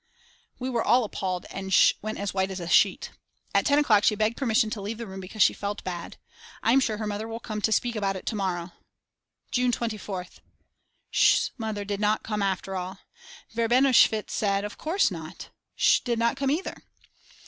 We were all apalled and Sch. went as white as a sheet. At 10 o'clock she begged permission to leave the room because she felt bad. I'm sure her mother will come to speak about it to morrow. June 24th. Sch.'s mother did not come after all. Verbenowitsch said: Of course not! Sch. did not come either.